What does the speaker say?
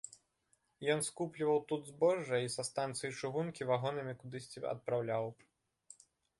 Ён скупліваў тут збожжа і са станцыі чыгункі вагонамі кудысьці адпраўляў.